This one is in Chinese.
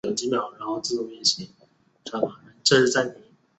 颗粒犁头鳐为犁头鳐科颗粒犁头鳐属的鱼类。